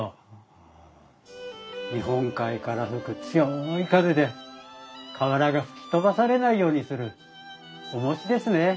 日本海から吹く強い風で瓦が吹き飛ばされないようにするおもしですね。